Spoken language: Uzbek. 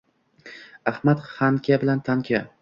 Ahmad, Xanka bilan Tanka